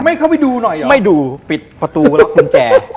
เข้าไปดูหน่อยอ่ะไม่ดูปิดประตูล็อกกุญแจ